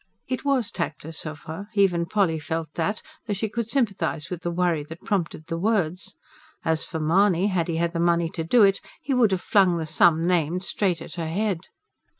It WAS tactless of her, even Polly felt that; though she could sympathise with the worry that prompted the words. As for Mahony, had he had the money to do it, he would have flung the sum named straight at her head.